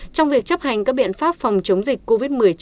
trong việc chấp hành các biện pháp phòng chống dịch covid một mươi chín